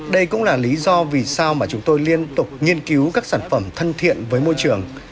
đây cũng là lý do vì sao mà chúng tôi liên tục nghiên cứu các sản phẩm thân thiện với môi trường